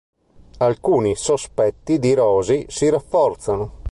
Alcuni sospetti di Rosie si rafforzano.